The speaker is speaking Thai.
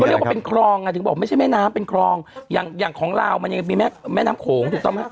เรียกว่าเป็นคลองอ่ะถึงบอกไม่ใช่แม่น้ำเป็นคลองอย่างอย่างของลาวมันยังมีแม่แม่น้ำโขงถูกต้องไหม